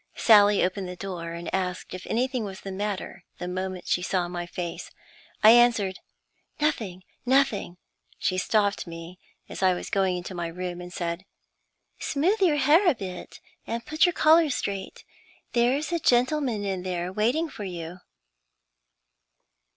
Sally opened the door, and asked if anything was the matter the moment she saw my face. I answered: "Nothing nothing." She stopped me as I was going into my room, and said: "Smooth your hair a bit, and put your collar straight. There's a gentleman in there waiting for you."